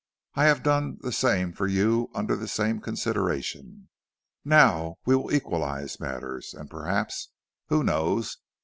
I have done the same for you under the same consideration. Now we will equalize matters, and perhaps who knows?